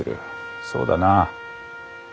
そうだな。